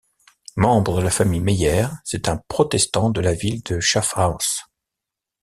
Membre de la famille Meyer, c'est un protestant de la ville de Schaffhouse.